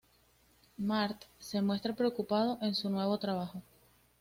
Mart se muestra preocupado en su nuevo trabajo.